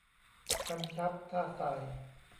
กำชับถ้าใส่